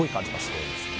そうですね。